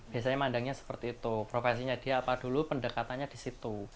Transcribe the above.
biasanya mandangnya seperti itu profesinya dia apa dulu pendekatannya di situ